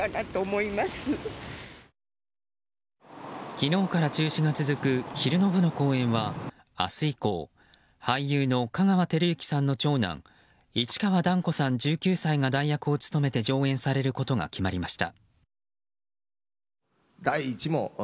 昨日から中止が続く昼の部の公演は明日以降俳優の香川照之さんの長男市川團子さん、１９歳が代役を務めて上演されることが決まりました。